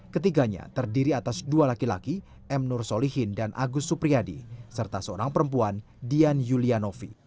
ketiganya terdiri atas dua laki laki m nur solihin dan agus supriyadi serta seorang perempuan dian yulianovi